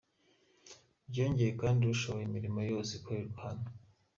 Byongeye kandi ashoboye imirimo yose ikorerwa hano.